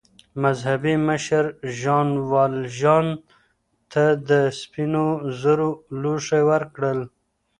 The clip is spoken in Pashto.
مذهبي مشر ژان والژان ته د سپینو زرو لوښي ورکړل.